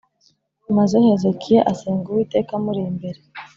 Maze Hezekiya asenga Uwiteka amuri imbere